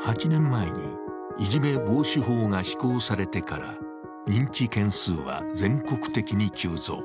８年前にいじめ防止法が施行されてから認知件数は全国的に急増。